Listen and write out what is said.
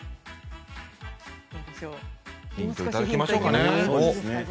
ヒントいきましょうかね。